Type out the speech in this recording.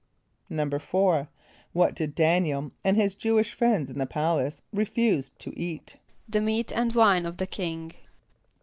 = =4.= What did D[)a]n´iel and his Jew´[)i]sh friends in the palace refuse to eat? =The meat and wine of the king.